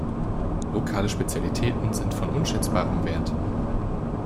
Lokale Spezialitäten sind von unschätzbarem Wert.